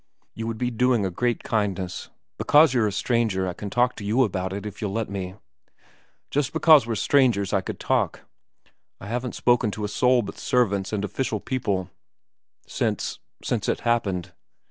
You would be doing a great kindness. Because you're a stranger I can talk to you about it if you'll let me. Just because we're strangers I could talk. I haven't spoken to a soul but servants and official people since since it happened.